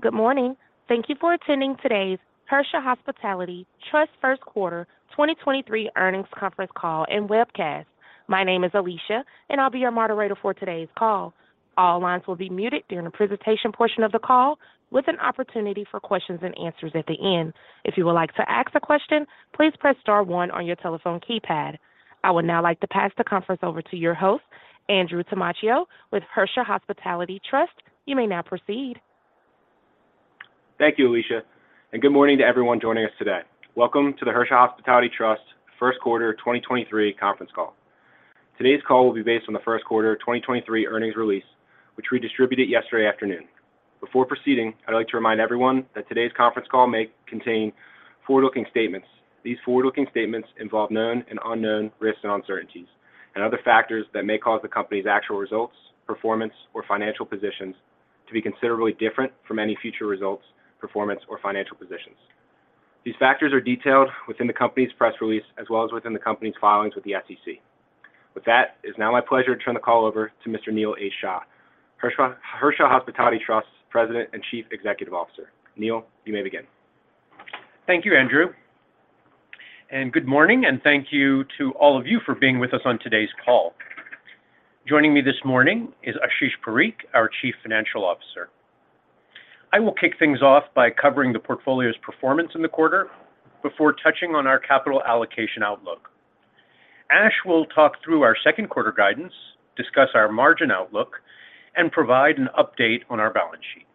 Good morning. Thank you for attending today's Hersha Hospitality Trust First Quarter 2023 Earnings Conference Call and Webcast. My name is Alicia, and I'll be your moderator for today's call. All lines will be muted during the presentation portion of the call with an opportunity for questions and answers at the end. If you would like to ask a question, please press star one on your telephone keypad. I would now like to pass the conference over to your host, Andrew Tamaccio, with Hersha Hospitality Trust. You may now proceed. Thank you, Alicia, and good morning to everyone joining us today. Welcome to the Hersha Hospitality Trust First Quarter 2023 conference call. Today's call will be based on the first quarter 2023 earnings release, which we distributed yesterday afternoon. Before proceeding, I'd like to remind everyone that today's conference call may contain forward-looking statements. These forward-looking statements involve known and unknown risks and uncertainties and other factors that may cause the company's actual results, performance, or financial positions to be considerably different from any future results, performance, or financial positions. These factors are detailed within the company's press release, as well as within the company's filings with the SEC. With that, it's now my pleasure to turn the call over to Mr. Neil H. Shah, Hersha Hospitality Trust President and Chief Executive Officer. Neil, you may begin. Thank you, Andrew, and good morning, and thank you to all of you for being with us on today's call. Joining me this morning is Ashish Parikh, our Chief Financial Officer. I will kick things off by covering the portfolio's performance in the quarter before touching on our capital allocation outlook. Ash will talk through our second quarter guidance, discuss our margin outlook, and provide an update on our balance sheet.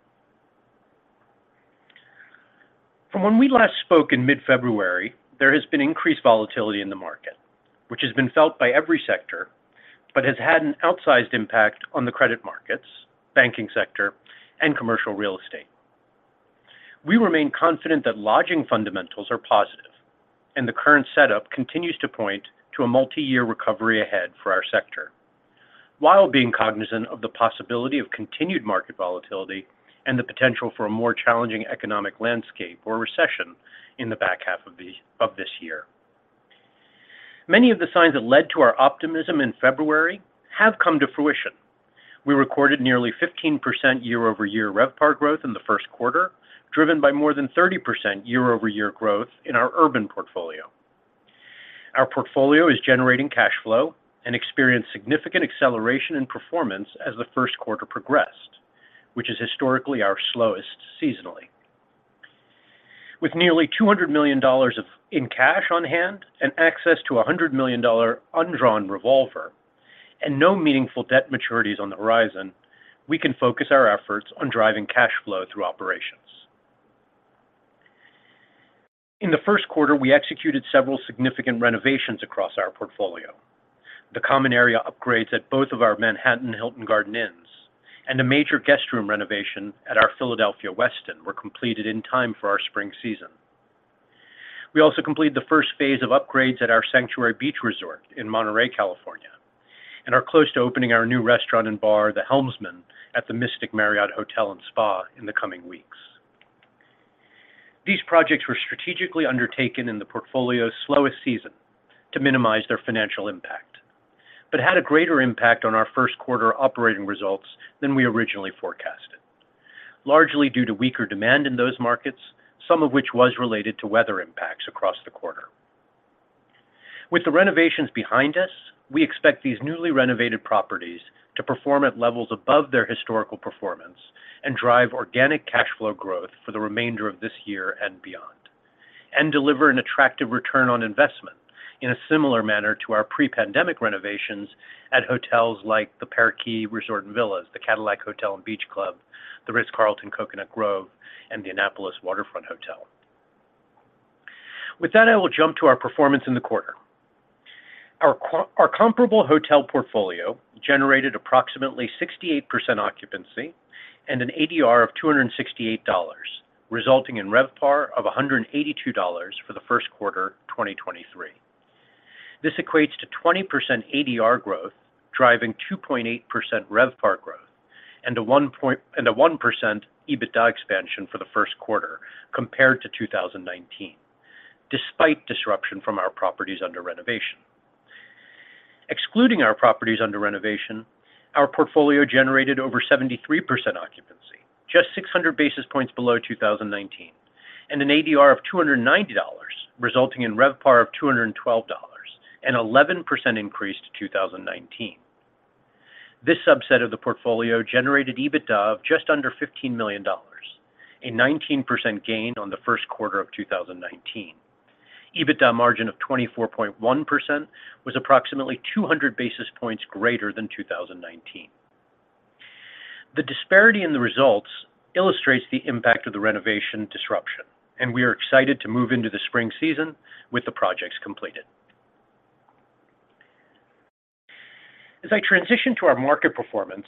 From when we last spoke in mid-February, there has been increased volatility in the market, which has been felt by every sector but has had an outsized impact on the credit markets, banking sector, and commercial real estate. We remain confident that lodging fundamentals are positive, and the current setup continues to point to a multi-year recovery ahead for our sector while being cognizant of the possibility of continued market volatility and the potential for a more challenging economic landscape or recession in the back half of this year. Many of the signs that led to our optimism in February have come to fruition. We recorded nearly 15% year-over-year RevPAR growth in the first quarter, driven by more than 30% year-over-year growth in our urban portfolio. Our portfolio is generating cash flow and experienced significant acceleration in performance as the first quarter progressed, which is historically our slowest seasonally. With nearly $200 million of in cash on hand an access to a $100 million undrawn revolver and no meaningful debt maturities on the horizon, we can focus our efforts on driving cash flow through operations. In the first quarter, we executed several significant renovations across our portfolio. The common area upgrades at both of our Manhattan Hilton Garden Inns and a major guest room renovation at our Philadelphia Westin were completed in time for our spring season. We also completed the first phase of upgrades at our Sanctuary Beach Resort in Monterey, California, and are close to opening our new restaurant and bar, The Helmsman, at the Mystic Marriott Hotel & Spa in the coming weeks. These projects were strategically undertaken in the portfolio's slowest season to minimize their financial impact but had a greater impact on our first quarter operating results than we originally forecasted, largely due to weaker demand in those markets, some of which was related to weather impacts across the quarter. With the renovations behind us, we expect these newly renovated properties to perform at levels above their historical performance and drive organic cash flow growth for the remainder of this year and beyond, and deliver an attractive return on investment in a similar manner to our pre-pandemic renovations at hotels like the Parrot Key Hotel & Villas, the Cadillac Hotel & Beach Club, The Ritz-Carlton, Coconut Grove, and the Annapolis Waterfront Hotel. With that, I will jump to our performance in the quarter. Our comparable hotel portfolio generated approximately 68% occupancy and an ADR of $268, resulting in RevPAR of $182 for the first quarter 2023. This equates to 20% ADR growth, driving 2.8% RevPAR growth and a 1% EBITDA expansion for the first quarter compared to 2019, despite disruption from our properties under renovation. Excluding our properties under renovation, our portfolio generated over 73% occupancy, just 600 basis points below 2019, and an ADR of $290, resulting in RevPAR of $212, an 11% increase to 2019. This subset of the portfolio generated EBITDA of just under $15 million, a 19% gain on the first quarter of 2019. EBITDA margin of 24.1% was approximately 200 basis points greater than 2019. The disparity in the results illustrates the impact of the renovation disruption. We are excited to move into the spring season with the projects completed. As I transition to our market performance,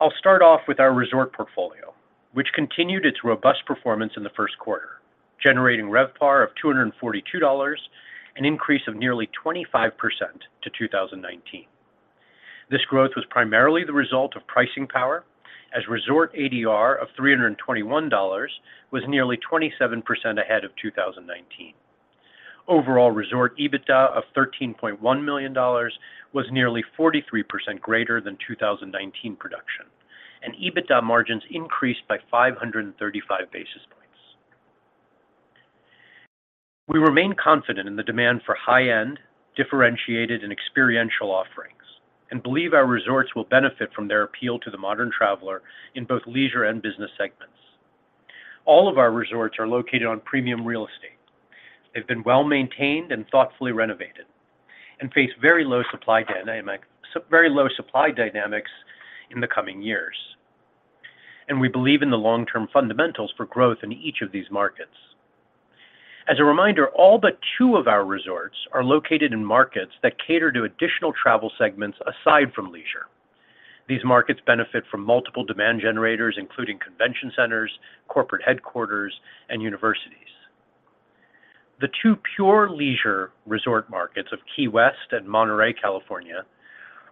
I'll start off with our resort portfolio, which continued its robust performance in the first quarter, generating RevPAR of $242, an increase of nearly 25% to 2019. This growth was primarily the result of pricing power as resort ADR of $321 was nearly 27% ahead of 2019. Overall resort EBITDA of $13.1 million was nearly 43% greater than 2019 production, and EBITDA margins increased by 535 basis points. We remain confident in the demand for high-end, differentiated, and experiential offerings, and believe our resorts will benefit from their appeal to the modern traveler in both leisure and business segments. All of our resorts are located on premium real estate. They've been well-maintained and thoughtfully renovated and face very low supply dynamics in the coming years. We believe in the long-term fundamentals for growth in each of these markets. As a reminder, all but two of our resorts are located in markets that cater to additional travel segments aside from leisure. These markets benefit from multiple demand generators, including convention centers, corporate headquarters, and universities. The two pure leisure resort markets of Key West and Monterey, California,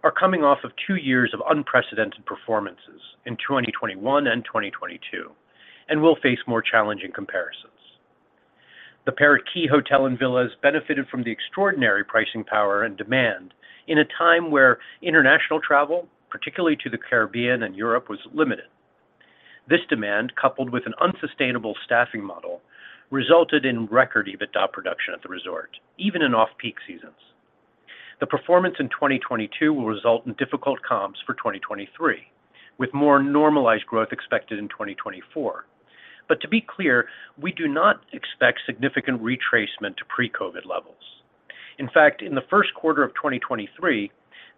are coming off of two years of unprecedented performances in 2021 and 2022 and will face more challenging comparisons. The Parrot Key Hotel & Villas benefited from the extraordinary pricing power and demand in a time where international travel, particularly to the Caribbean and Europe, was limited. This demand, coupled with an unsustainable staffing model, resulted in record EBITDA production at the resort, even in off-peak seasons. The performance in 2022 will result in difficult comps for 2023, with more normalized growth expected in 2024. To be clear, we do not expect significant retracement to pre-COVID levels. In fact, in the first quarter of 2023,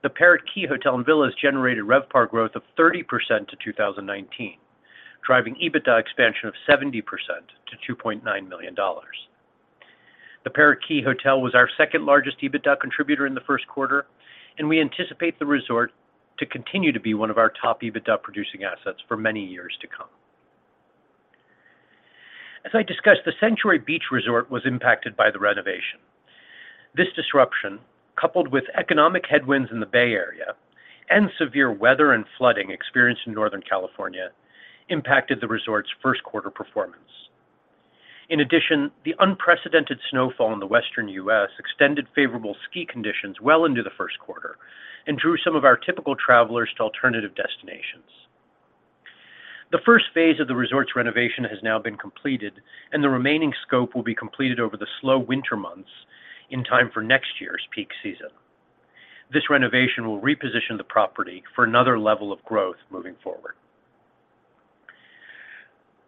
the Parrot Key Hotel & Villas generated RevPAR growth of 30% to 2019, driving EBITDA expansion of 70% to $2.9 million. The Parrot Key Hotel was our second largest EBITDA contributor in the first quarter. We anticipate the resort to continue to be one of our top EBITDA producing assets for many years to come. As I discussed, the Sanctuary Beach Resort was impacted by the renovation. This disruption, coupled with economic headwinds in the Bay Area and severe weather and flooding experienced in Northern California, impacted the resort's first quarter performance. In addition, the unprecedented snowfall in the Western U.S. extended favorable ski conditions well into the first quarter and drew some of our typical travelers to alternative destinations. The first phase of the resort's renovation has now been completed. The remaining scope will be completed over the slow winter months in time for next year's peak season. This renovation will reposition the property for another level of growth moving forward.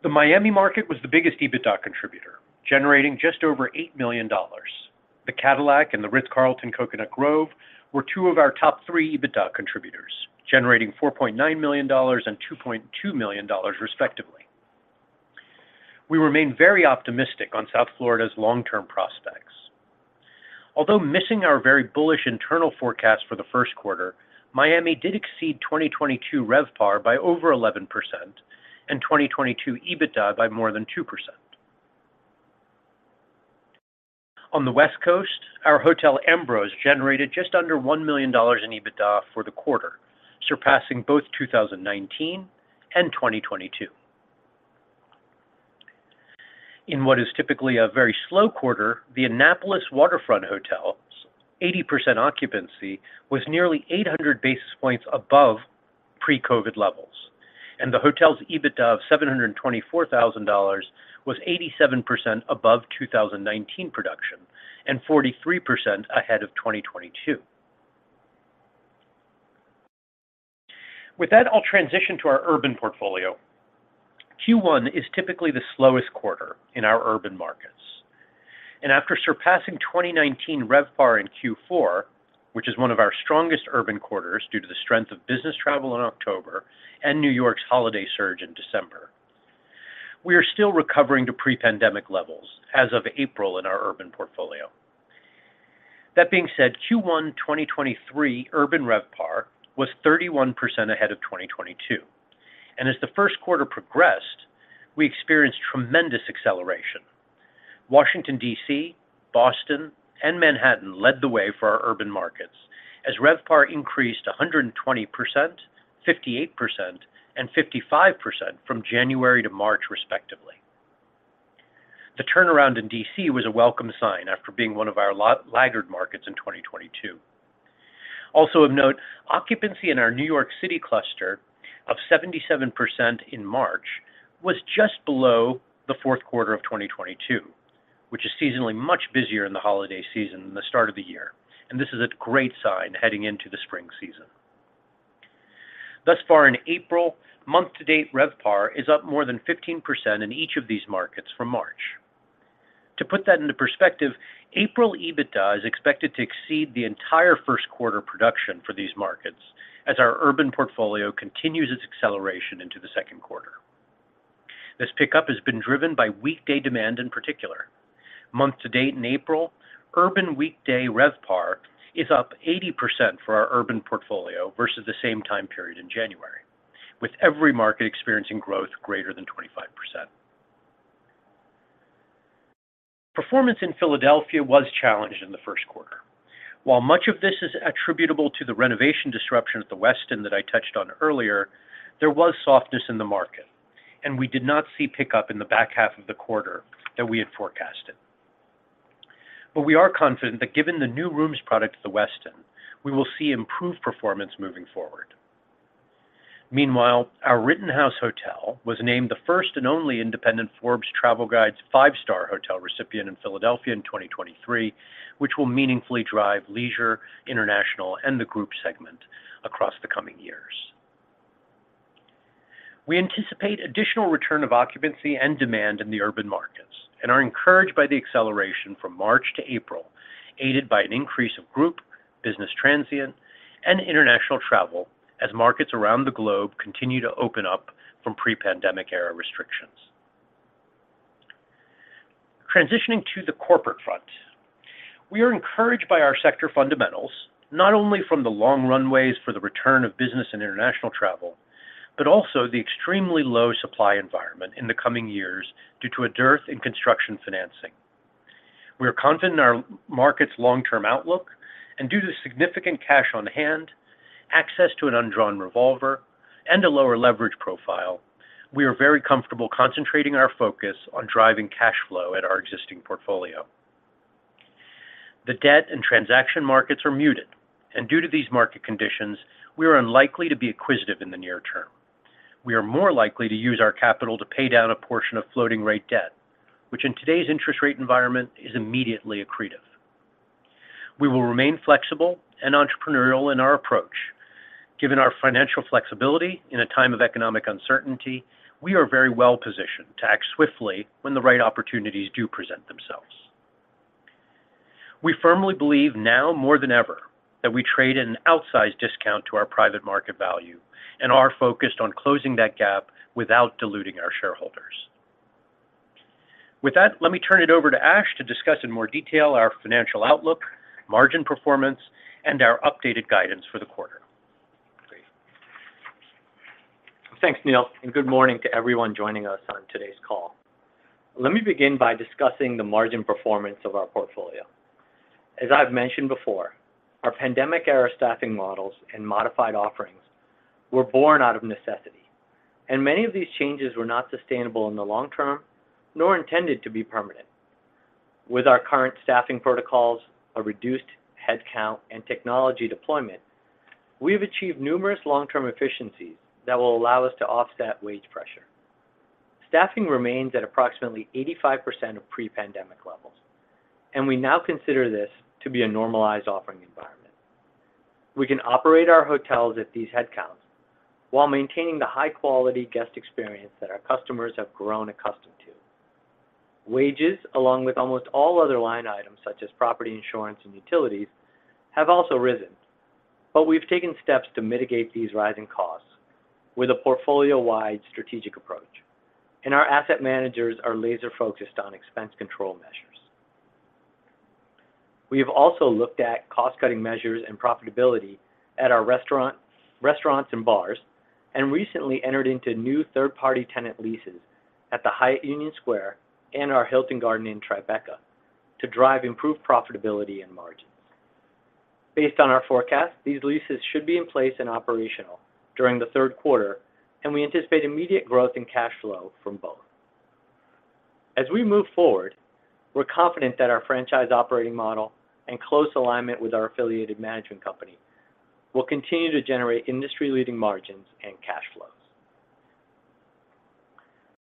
The Miami market was the biggest EBITDA contributor, generating just over $8 million. The Cadillac and The Ritz-Carlton, Coconut Grove were two of our top three EBITDA contributors, generating $4.9 million and $2.2 million, respectively. We remain very optimistic on South Florida's long-term prospects. Although missing our very bullish internal forecast for the first quarter, Miami did exceed 2022 RevPAR by over 11% and 2022 EBITDA by more than 2%. On the West Coast, our The Ambrose Hotel generated just under $1 million in EBITDA for the quarter, surpassing both 2019 and 2022. In what is typically a very slow quarter, the Annapolis Waterfront Hotel, 80% occupancy was nearly 800 basis points above pre-COVID levels, and the hotel's EBITDA of $724,000 was 87% above 2019 production and 43% ahead of 2022. With that, I'll transition to our urban portfolio. Q1 is typically the slowest quarter in our urban markets. After surpassing 2019 RevPAR in Q4, which is one of our strongest urban quarters due to the strength of business travel in October and New York's holiday surge in December, we are still recovering to pre-pandemic levels as of April in our urban portfolio. That being said, Q1 2023 urban RevPAR was 31% ahead of 2022, and as the first quarter progressed, we experienced tremendous acceleration. Washington, D.C., Boston, and Manhattan led the way for our urban markets as RevPAR increased 120%, 58%, and 55% from January to March, respectively. The turnaround in D.C. was a welcome sign after being one of our laggard markets in 2022. Also of note, occupancy in our New York City cluster of 77% in March was just below the fourth quarter of 2022, which is seasonally much busier in the holiday season than the start of the year. This is a great sign heading into the spring season. Thus far in April, month to date, RevPAR is up more than 15% in each of these markets from March. To put that into perspective, April EBITDA is expected to exceed the entire first quarter production for these markets as our urban portfolio continues its acceleration into the second quarter. This pickup has been driven by weekday demand in particular. Month to date in April, urban weekday RevPAR is up 80% for our urban portfolio versus the same time period in January, with every market experiencing growth greater than 25%. Performance in Philadelphia was challenged in the first quarter. While much of this is attributable to the renovation disruption at The Westin that I touched on earlier, there was softness in the market, and we did not see pickup in the back half of the quarter that we had forecasted. We are confident that given the new rooms product at The Westin, we will see improved performance moving forward. Meanwhile, The Rittenhouse Hotel was named the first and only independent Forbes Travel Guide's five-star hotel recipient in Philadelphia in 2023, which will meaningfully drive leisure, international, and the group segment across the coming years. We anticipate additional return of occupancy and demand in the urban markets and are encouraged by the acceleration from March to April, aided by an increase of group, business transient, and international travel as markets around the globe continue to open up from pre-pandemic era restrictions. Transitioning to the corporate front. We are encouraged by our sector fundamentals, not only from the long runways for the return of business and international travel, but also the extremely low supply environment in the coming years due to a dearth in construction financing. We are confident in our market's long-term outlook, and due to significant cash on hand, access to an undrawn revolver, and a lower leverage profile, we are very comfortable concentrating our focus on driving cash flow at our existing portfolio. The debt and transaction markets are muted, and due to these market conditions, we are unlikely to be acquisitive in the near term. We are more likely to use our capital to pay down a portion of floating rate debt, which in today's interest rate environment is immediately accretive. We will remain flexible and entrepreneurial in our approach. Given our financial flexibility in a time of economic uncertainty, we are very well positioned to act swiftly when the right opportunities do present themselves. We firmly believe now more than ever that we trade at an outsized discount to our private market value and are focused on closing that gap without diluting our shareholders. With that, let me turn it over to Ash to discuss in more detail our financial outlook, margin performance, and our updated guidance for the quarter. Great. Thanks, Neil. Good morning to everyone joining us on today's call. Let me begin by discussing the margin performance of our portfolio. As I've mentioned before, our pandemic era staffing models and modified offerings were born out of necessity, and many of these changes were not sustainable in the long term, nor intended to be permanent. With our current staffing protocols, a reduced headcount, and technology deployment, we have achieved numerous long-term efficiencies that will allow us to offset wage pressure. Staffing remains at approximately 85% of pre-pandemic levels, and we now consider this to be a normalized offering environment. We can operate our hotels at these headcounts while maintaining the high-quality guest experience that our customers have grown accustomed to. Wages, along with almost all other line items such as property insurance and utilities, have also risen, but we've taken steps to mitigate these rising costs with a portfolio-wide strategic approach, and our asset managers are laser-focused on expense control measures. We have also looked at cost-cutting measures and profitability at our restaurant, restaurants and bars, and recently entered into new third-party tenant leases at the Hyatt Union Square and our Hilton Garden Inn Tribeca to drive improved profitability and margins. Based on our forecast, these leases should be in place and operational during the third quarter, and we anticipate immediate growth in cash flow from both. As we move forward, we're confident that our franchise operating model and close alignment with our affiliated management company will continue to generate industry-leading margins and cash flows.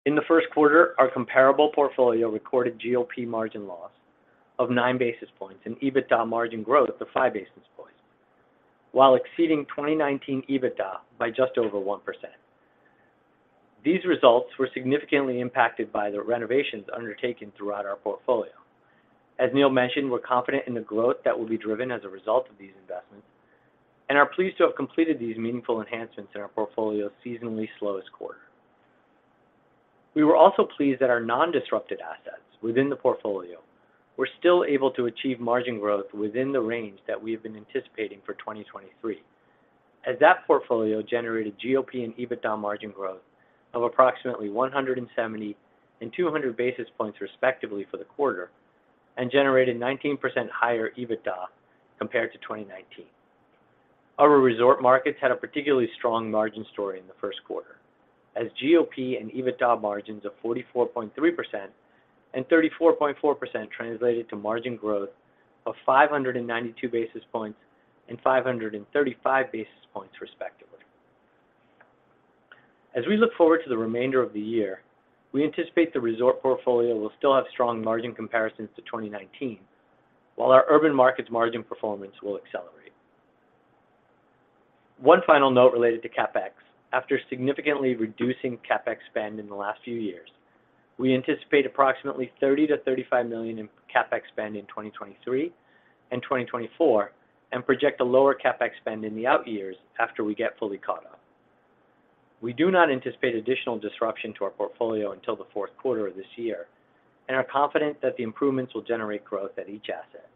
In the first quarter, our comparable portfolio recorded GOP margin loss of 9 basis points and EBITDA margin growth of 5 basis points while exceeding 2019 EBITDA by just over 1%. These results were significantly impacted by the renovations undertaken throughout our portfolio. As Neil mentioned, we're confident in the growth that will be driven as a result of these investments and are pleased to have completed these meaningful enhancements in our portfolio's seasonally slowest quarter. We were also pleased that our non-disrupted assets within the portfolio were still able to achieve margin growth within the range that we have been anticipating for 2023, as that portfolio generated GOP and EBITDA margin growth of approximately 170 and 200 basis points, respectively, for the quarter, and generated 19% higher EBITDA compared to 2019. Our resort markets had a particularly strong margin story in the first quarter as GOP and EBITDA margins of 44.3% and 34.4% translated to margin growth of 592 basis points and 535 basis points, respectively. As we look forward to the remainder of the year, we anticipate the resort portfolio will still have strong margin comparisons to 2019, while our urban markets margin performance will accelerate. One final note related to CapEx. After significantly reducing CapEx spend in the last few years, we anticipate approximately $30 million-$35 million in CapEx spend in 2023 and 2024 and project a lower CapEx spend in the out years after we get fully caught up. We do not anticipate additional disruption to our portfolio until the fourth quarter of this year and are confident that the improvements will generate growth at each asset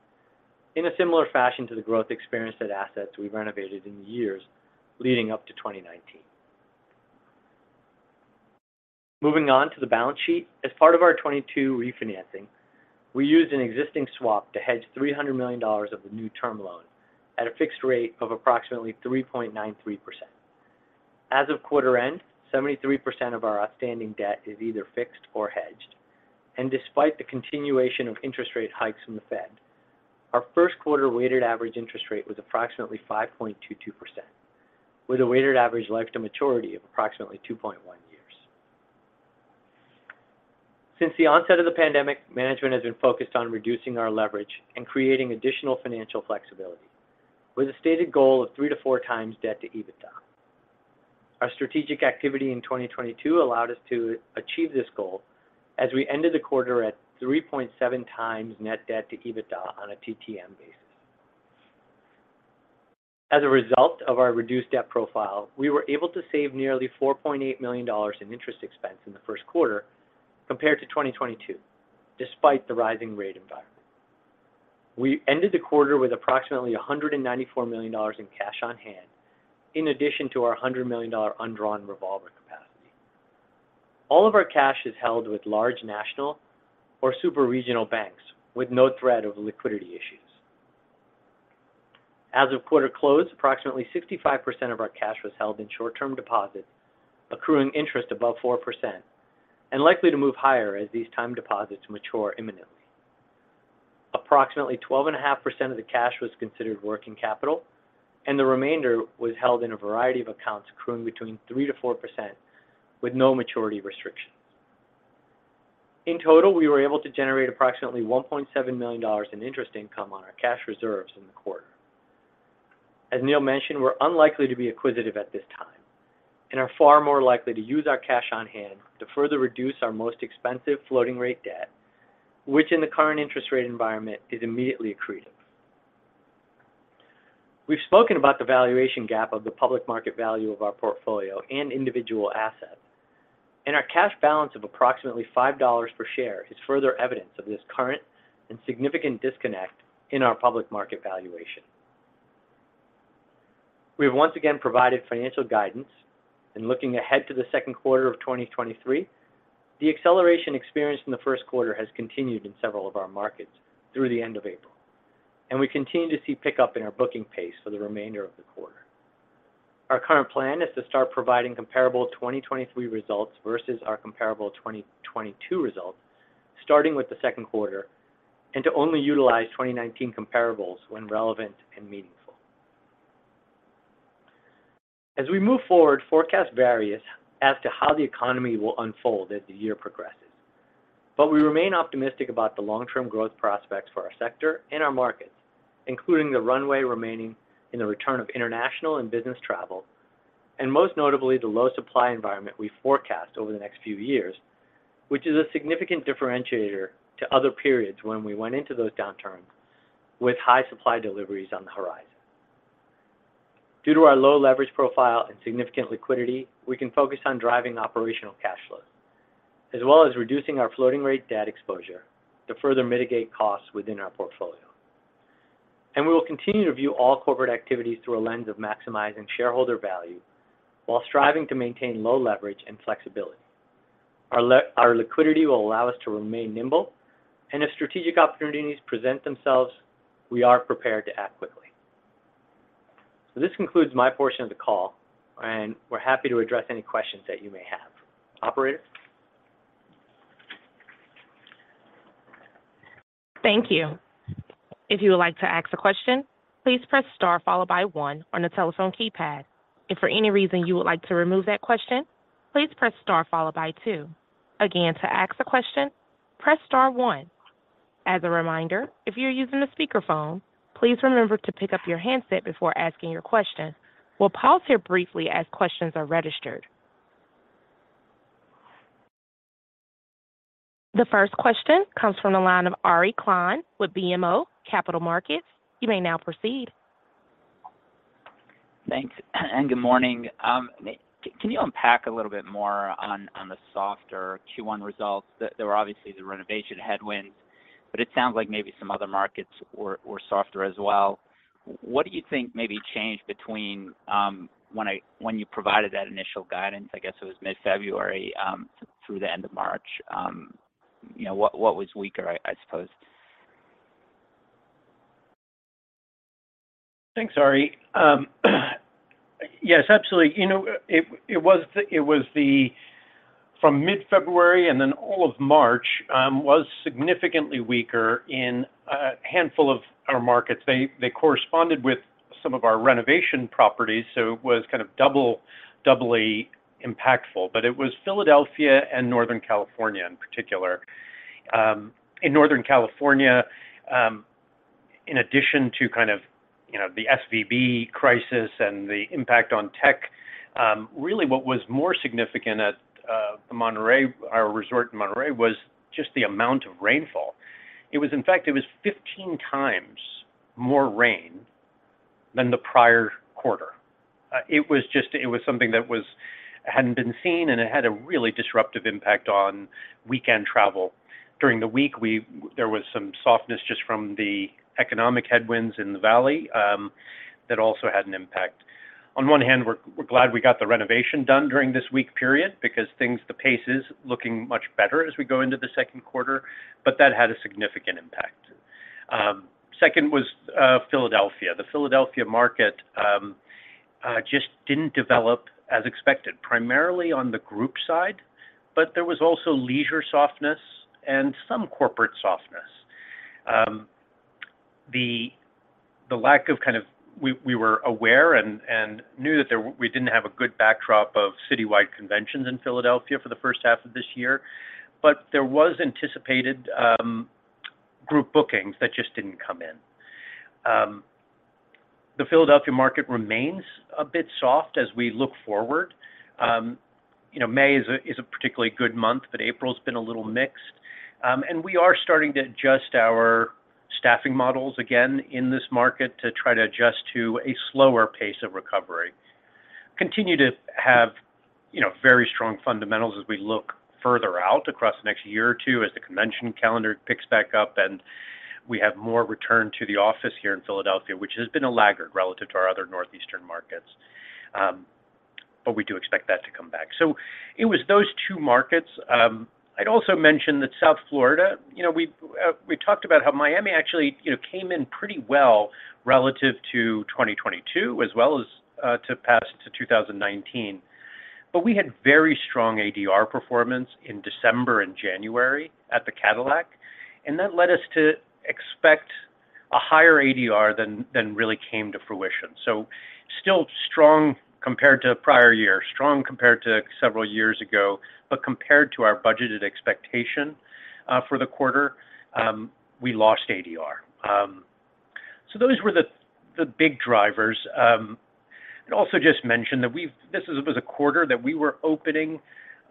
in a similar fashion to the growth experienced at assets we renovated in the years leading up to 2019. Moving on to the balance sheet. As part of our 2022 refinancing, we used an existing swap to hedge $300 million of the new term loan at a fixed rate of approximately 3.93%. As of quarter end, 73% of our outstanding debt is either fixed or hedged. Despite the continuation of interest rate hikes from the Fed, our first quarter weighted average interest rate was approximately 5.22%, with a weighted average life to maturity of approximately 2.1 years. Since the onset of the pandemic, management has been focused on reducing our leverage and creating additional financial flexibility with a stated goal of 3 to 4 times debt to EBITDA. Our strategic activity in 2022 allowed us to achieve this goal as we ended the quarter at 3.7 times net debt to EBITDA on a TTM basis. As a result of our reduced debt profile, we were able to save nearly $4.8 million in interest expense in the first quarter compared to 2022 despite the rising rate environment. We ended the quarter with approximately $194 million in cash on hand in addition to our $100 million undrawn revolver capacity. All of our cash is held with large national or super-regional banks with no threat of liquidity issues. As of quarter close, approximately 65% of our cash was held in short-term deposits, accruing interest above 4% and likely to move higher as these time deposits mature imminently. Approximately 12.5% of the cash was considered working capital. The remainder was held in a variety of accounts accruing between 3%-4% with no maturity restrictions. In total, we were able to generate approximately $1.7 million in interest income on our cash reserves in the quarter. As Neil mentioned, we're unlikely to be acquisitive at this time and are far more likely to use our cash on hand to further reduce our most expensive floating rate debt, which in the current interest rate environment is immediately accretive. We've spoken about the valuation gap of the public market value of our portfolio and individual assets, and our cash balance of approximately $5 per share is further evidence of this current and significant disconnect in our public market valuation. We have once again provided financial guidance, and looking ahead to the second quarter of 2023, the acceleration experienced in the first quarter has continued in several of our markets through the end of April, and we continue to see pickup in our booking pace for the remainder of the quarter. Our current plan is to start providing comparable 2023 results versus our comparable 2022 results, starting with the second quarter, and to only utilize 2019 comparables when relevant and meaningful. As we move forward, forecast varies as to how the economy will unfold as the year progresses. We remain optimistic about the long-term growth prospects for our sector and our markets, including the runway remaining in the return of international and business travel, and most notably, the low supply environment we forecast over the next few years, which is a significant differentiator to other periods when we went into those downturns with high supply deliveries on the horizon. Due to our low leverage profile and significant liquidity, we can focus on driving operational cash flows, as well as reducing our floating rate debt exposure to further mitigate costs within our portfolio. We will continue to view all corporate activities through a lens of maximizing shareholder value while striving to maintain low leverage and flexibility. Our liquidity will allow us to remain nimble, and if strategic opportunities present themselves, we are prepared to act quickly. This concludes my portion of the call, and we're happy to address any questions that you may have. Operator? Thank you. If you would like to ask a question, please press star on two on the telephone keypad. If for any reason you would like to remove that question, please press star two. Again, to ask a question, press star one. As a reminder, if you're using a speakerphone, please remember to pick up your handset before asking your question. We'll pause here briefly as questions are registered. The first question comes from the line of Ari Klein with BMO Capital Markets. You may now proceed. Thanks. Good morning. Can you unpack a little bit more on the softer Q1 results? There were obviously the renovation headwinds. It sounds like maybe some other markets were softer as well. What do you think maybe changed between when you provided that initial guidance, I guess it was mid-February through the end of March? You know, what was weaker, I suppose? Thanks, Ari. Yes, absolutely. You know, it was from mid-February and then all of March was significantly weaker in a handful of our markets. They corresponded with some of our renovation properties, so it was kind of doubly impactful. It was Philadelphia and Northern California in particular. In Northern California, in addition to kind of, you know, the SVB crisis and the impact on tech, really what was more significant at Monterey, our resort in Monterey, was just the amount of rainfall. It was, in fact, it was 15 times more rain than the prior quarter. It was something that hadn't been seen, and it had a really disruptive impact on weekend travel. During the week, there was some softness just from the economic headwinds in the valley that also had an impact. On one hand, we're glad we got the renovation done during this week period because the pace is looking much better as we go into the second quarter, but that had a significant impact. Second was Philadelphia. The Philadelphia market just didn't develop as expected, primarily on the group side, but there was also leisure softness and some corporate softness. The lack of kind of. We were aware and knew that there we didn't have a good backdrop of citywide conventions in Philadelphia for the first half of this year. There was anticipated group bookings that just didn't come in. The Philadelphia market remains a bit soft as we look forward. You know, May is a particularly good month, April's been a little mixed. We are starting to adjust our staffing models again in this market to try to adjust to a slower pace of recovery. Continue to have, you know, very strong fundamentals as we look further out across the next year or 2 as the convention calendar picks back up and we have more return to the office here in Philadelphia, which has been a laggard relative to our other Northeastern markets. We do expect that to come back. It was those 2 markets. I'd also mention that South Florida, you know, we talked about how Miami actually, you know, came in pretty well relative to 2022 as well as to 2019. We had very strong ADR performance in December and January at the Cadillac, and that led us to expect a higher ADR than really came to fruition. Still strong compared to prior year, strong compared to several years ago, but compared to our budgeted expectation for the quarter, we lost ADR. Those were the big drivers. I'd also just mention that this was a quarter that we were opening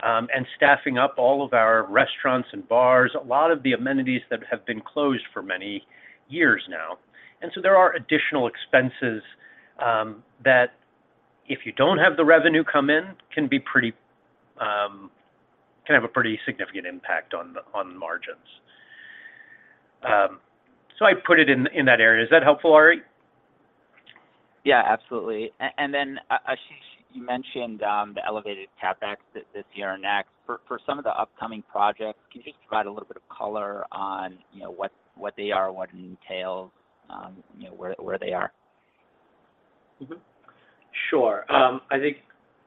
and staffing up all of our restaurants and bars, a lot of the amenities that have been closed for many years now. There are additional expenses that if you don't have the revenue come in, can be pretty, can have a pretty significant impact on margins. I put it in that area. Is that helpful, Ari? Yeah, absolutely. Ashish, you mentioned the elevated CapEx this year and next. For some of the upcoming projects, can you just provide a little bit of color on, you know, what they are, what it entails, you know, where they are? Sure. I think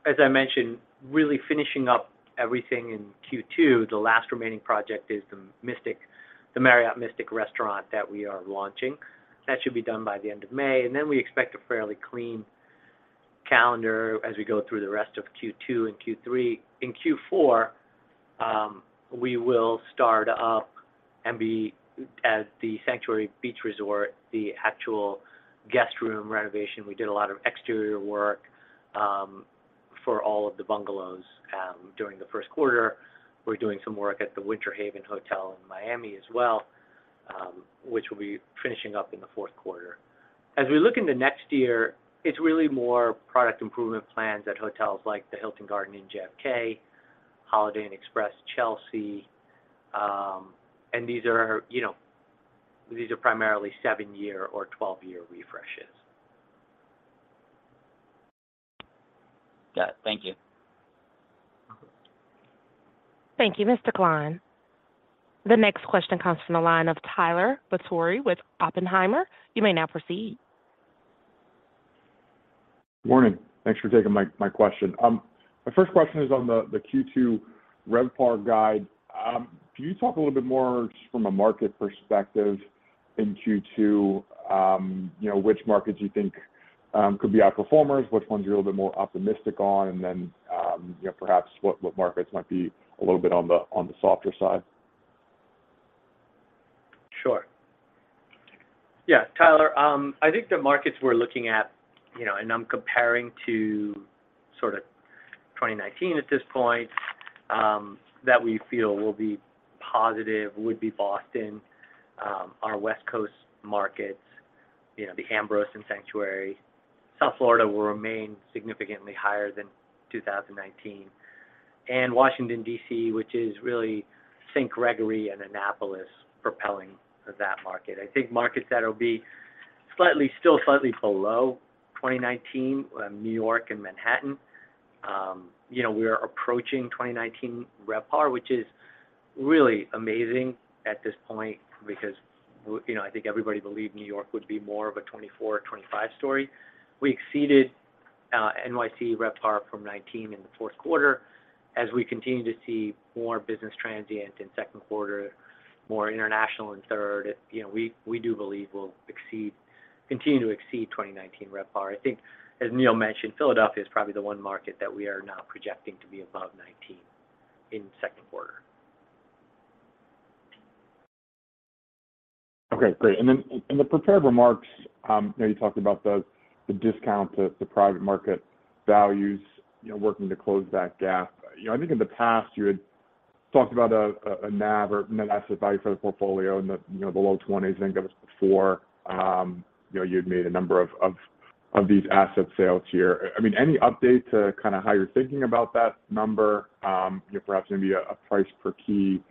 as I mentioned, really finishing up everything in Q2, the last remaining project is the Mystic, the Marriott Mystic restaurant that we are launching. That should be done by the end of May. We expect a fairly clean calendar as we go through the rest of Q2 and Q3. In Q4, we will start up and be at The Sanctuary Beach Resort, the actual guest room renovation. We did a lot of exterior work for all of the bungalows during the first quarter. We're doing some work at the Winter Haven Hotel in Miami as well, which will be finishing up in the fourth quarter. As we look into next year, it's really more product improvement plans at hotels like the Hilton Garden Inn JFK, Holiday Inn Express Chelsea, and these are, you know, these are primarily seven-year or 12-year refreshes. Got it. Thank you. Thank you, Mr. Klein. The next question comes from the line of Tyler Batory with Oppenheimer. You may now proceed. Morning. Thanks for taking my question. My first question is on the Q2 RevPAR guide. Can you talk a little bit more just from a market perspective in Q2, you know, which markets you think could be outperformers, which ones you're a little bit more optimistic on, and then, you know, perhaps what markets might be a little bit on the softer side? Sure. Yeah, Tyler, I think the markets we're looking at, you know, and I'm comparing to sort of 2019 at this point, that we feel will be positive would be Boston, our West Coast markets, you know, Ambrose and Sanctuary. South Florida will remain significantly higher than 2019. Washington D.C., which is really St. Gregory and Annapolis propelling that market. I think markets that'll be still slightly below 2019, New York and Manhattan. You know, we are approaching 2019 RevPAR, which is really amazing at this point because you know, I think everybody believed New York would be more of a 24 or 25 story. We exceeded NYC RevPAR from 2019 in the fourth quarter. As we continue to see more business transient in second quarter, more international in third, you know, we do believe we'll exceed, continue to exceed 2019 RevPAR. I think as Neil mentioned, Philadelphia is probably the one market that we are now projecting to be above 2019 in second quarter. Okay, great. In, in the prepared remarks, you know, you talked about the discount to the private market values, you know, working to close that gap. You know, I think in the past, you had talked about a NAV or net asset value for the portfolio in the, you know, the low $20s. I think it was before, you know, you had made a number of these asset sales here. I mean, any update to kind of how you're thinking about that number? You know, perhaps maybe a price per key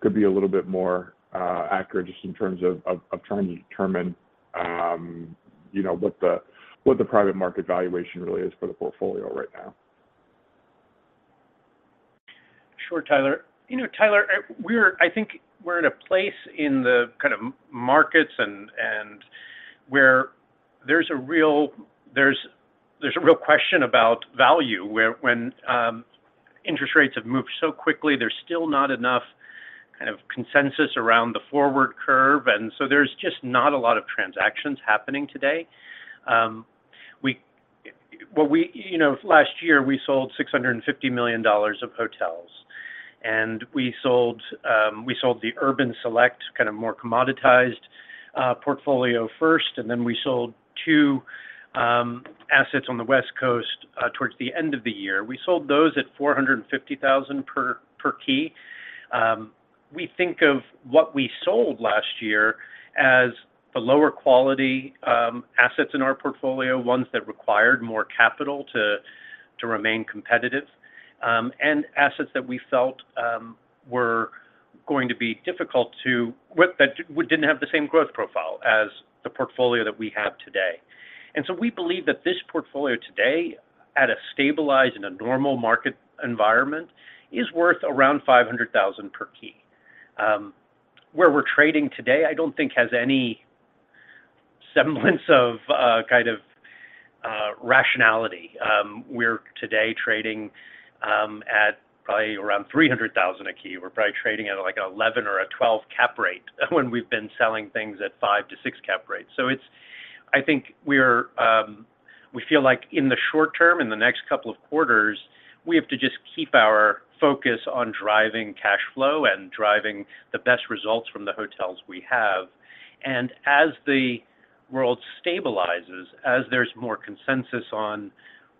could be a little bit more accurate just in terms of trying to determine, you know, what the, what the private market valuation really is for the portfolio right now. Sure, Tyler. You know, Tyler, I think we're in a place in the kind of markets where there's a real question about value when interest rates have moved so quickly, there's still not enough kind of consensus around the forward curve, there's just not a lot of transactions happening today. What we, you know, last year we sold $650 million of hotels. We sold, we sold the urban select, kind of more commoditized, portfolio first, we sold two assets on the West Coast towards the end of the year. We sold those at $450,000 per key. We think of what we sold last year as the lower quality assets in our portfolio, ones that required more capital to remain competitive, and assets that we felt were going to be difficult that didn't have the same growth profile as the portfolio that we have today. We believe that this portfolio today, at a stabilized and a normal market environment, is worth around $500,000 per key. Where we're trading today, I don't think has any semblance of kind of rationality. We're today trading at probably around $300,000 a key. We're probably trading at, like, 11 or a 12 cap rate when we've been selling things at 5-6 cap rates. I think we're, we feel like in the short term, in the next couple of quarters, we have to just keep our focus on driving cash flow and driving the best results from the hotels we have. As the world stabilizes, as there's more consensus on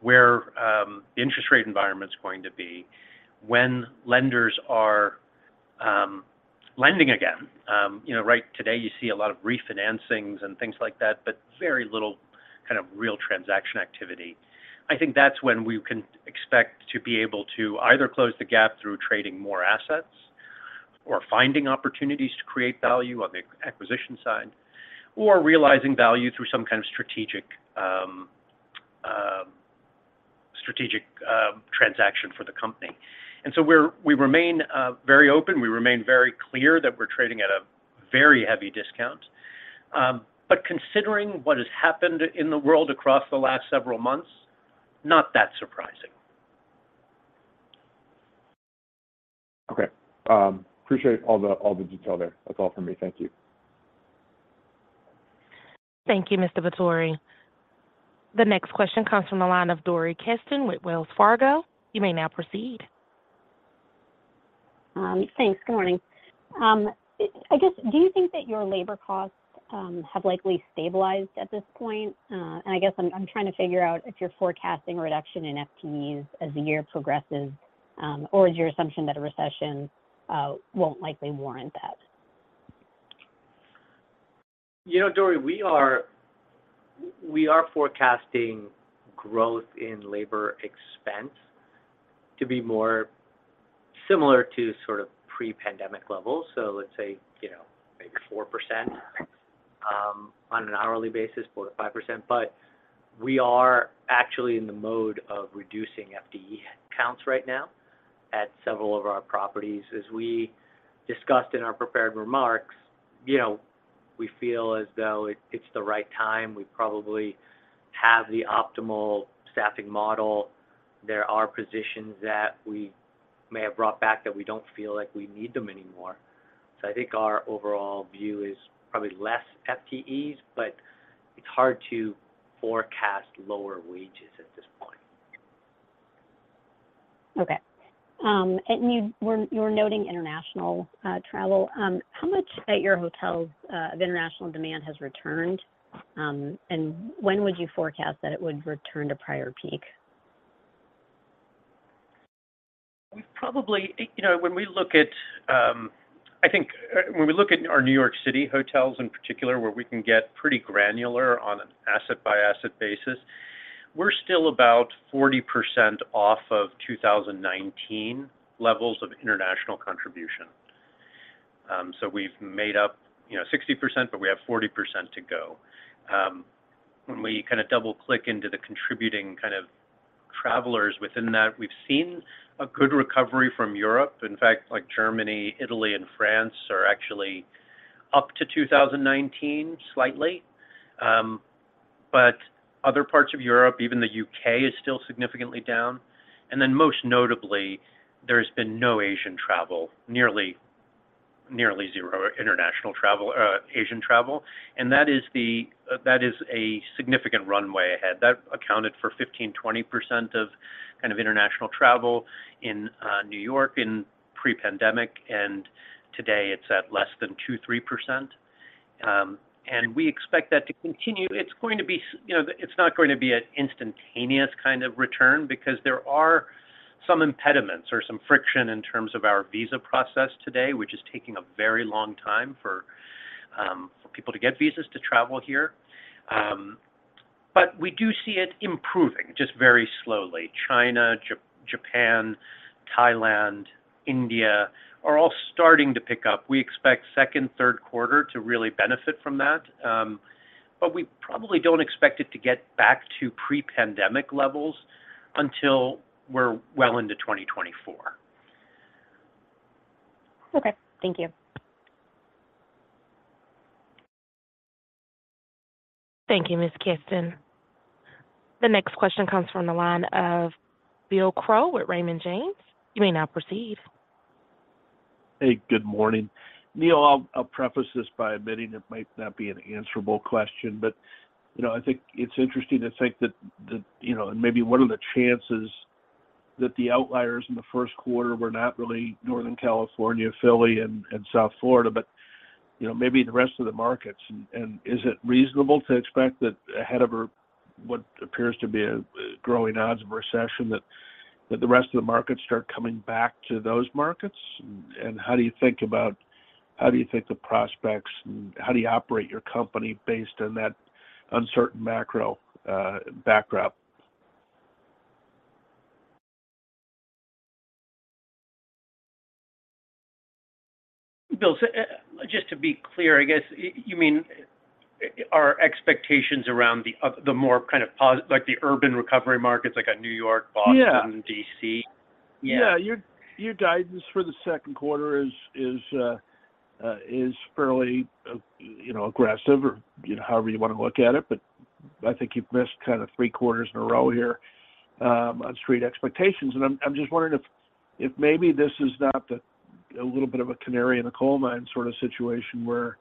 where the interest rate environment's going to be, when lenders are lending again, you know, right today you see a lot of refinancings and things like that, but very little kind of real transaction activity. I think that's when we can expect to be able to either close the gap through trading more assets or finding opportunities to create value on the acquisition side or realizing value through some kind of strategic transaction for the company. We remain very open. We remain very clear that we're trading at a very heavy discount. Considering what has happened in the world across the last several months, not that surprising. Okay. Appreciate all the detail there. That's all for me. Thank you. Thank you, Mr. Batory. The next question comes from the line of Dori Kesten with Wells Fargo. You may now proceed. Thanks. Good morning. I guess, do you think that your labor costs have likely stabilized at this point? I guess I'm trying to figure out if you're forecasting a reduction in FTEs as the year progresses, or is your assumption that a recession won't likely warrant that? You know, Dori, we are forecasting growth in labor expense to be more similar to sort of pre-pandemic levels. Let's say, you know, maybe 4%, on an hourly basis, 4%-5%. We are actually in the mode of reducing FTE counts right now at several of our properties. As we discussed in our prepared remarks, you know, we feel as though it's the right time. We probably have the optimal staffing model. There are positions that we may have brought back that we don't feel like we need them anymore. I think our overall view is probably less FTEs, but it's hard to forecast lower wages at this point. Okay. You were noting international travel. How much at your hotels of international demand has returned? When would you forecast that it would return to prior peak? You know, when we look at, I think when we look at our New York City hotels in particular, where we can get pretty granular on an asset-by-asset basis, we're still about 40% off of 2019 levels of international contribution. We've made up, you know, 60%, but we have 40% to go. When we kinda double-click into the contributing kind of travelers within that, we've seen a good recovery from Europe. In fact, like Germany, Italy, and France are actually up to 2019 slightly. Other parts of Europe, even the U.K. is still significantly down. Most notably, there's been no Asian travel, nearly zero international travel, Asian travel. That is a significant runway ahead. That accounted for 15%-20% of kind of international travel in New York in pre-pandemic. Today it's at less than 2%-3%. We expect that to continue. It's going to be You know, it's not going to be an instantaneous kind of return because there are some impediments or some friction in terms of our visa process today, which is taking a very long time for people to get visas to travel here. We do see it improving just very slowly. China, Japan, Thailand, India are all starting to pick up. We expect second, third quarter to really benefit from that, but we probably don't expect it to get back to pre-pandemic levels until we're well into 2024. Okay. Thank you. Thank you, Ms. Kesten. The next question comes from the line of Bill Crow with Raymond James. You may now proceed. Hey, good morning. Neil, I'll preface this by admitting it might not be an answerable question, but, you know, I think it's interesting to think that, you know, and maybe what are the chances that the outliers in the first quarter were not really Northern California, Philly, and South Florida, but, you know, maybe the rest of the markets. Is it reasonable to expect that ahead of what appears to be a growing odds of recession that the rest of the markets start coming back to those markets? How do you think the prospects and how do you operate your company based on that uncertain macro backdrop? Bill, just to be clear, I guess, you mean our expectations around the more kind of like the urban recovery markets like a New York, Boston? Yeah... D.C.? Yeah. Your, your guidance for the second quarter is fairly, you know, aggressive or, you know, however you wanna look at it. I think you've missed kind of three quarters in a row here, on street expectations. I'm just wondering if maybe this is not a little bit of a canary in the coal mine sort of situation where,